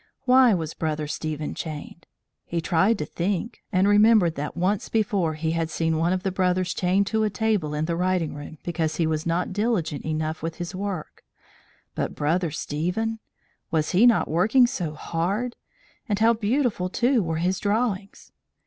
Why was Brother Stephen chained? He tried to think, and remembered that once before he had seen one of the brothers chained to a table in the writing room because he was not diligent enough with his work, but Brother Stephen! Was he not working so hard? And how beautiful, too, were his drawings!